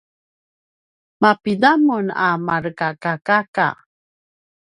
mapida mun a marekakakaka?